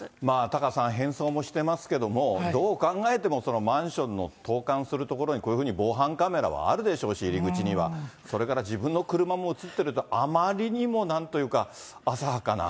タカさん、変そうもしてますけども、どう考えても、マンションの投かんする所に、こういうふうに防犯カメラはあるでしょうし、入り口には、それから自分の車も写っていると、あまりにもなんというか浅はかな。